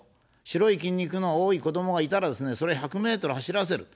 白い筋肉の多い子どもがいたらですね、それは１００ｍを走らせる。